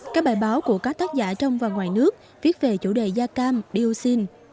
các bài báo của các tác giả trong và ngoài nước viết về chủ đề gia cam điêu sinh